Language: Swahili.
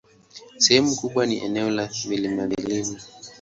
Sehemu kubwa ni eneo la vilima-vilima.